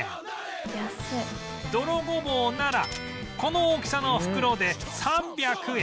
泥ごぼうならこの大きさの袋で３００円